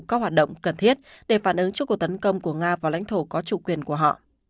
các hoạt động cần thiết để phản ứng cho cuộc tấn công của nga vào lãnh thổ có chủ quyền của họ